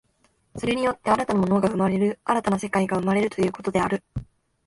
それによって新たな物が生まれる、新たな世界が生まれるということである。